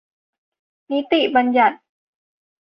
นิติบัญญัติ